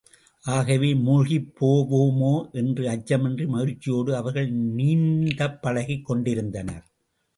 ஆகவே, மூழ்கிப் போவோமோ என்ற அச்சமின்றி மகிழ்ச்சியோடு அவர்கள் நீந்தப் பழகிக் கொண்டிருந்தனர்.